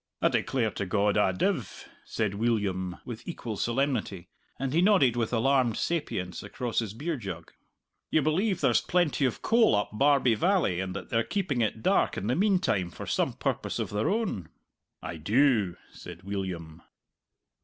"A declare to God A div," said Weelyum, with equal solemnity, and he nodded with alarmed sapience across his beer jug. "You believe there's plenty of coal up Barbie Valley, and that they're keeping it dark in the meantime for some purpose of their own?" "I do," said Weelyum.